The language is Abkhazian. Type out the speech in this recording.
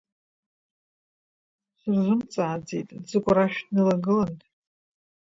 Сырзымҵааӡеит, Ӡыкәыр ашә днылагылан…